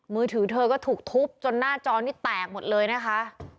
มือถือเธอก็ถูกทุบจนหน้าจอนี้แตกหมดเลยนะคะ